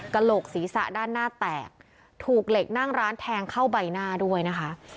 โหลกศีรษะด้านหน้าแตกถูกเหล็กนั่งร้านแทงเข้าใบหน้าด้วยนะคะ